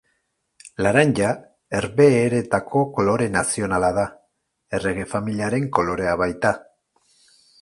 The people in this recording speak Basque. Laranja Herbehereetako kolore nazionala da, errege familiaren kolorea baita.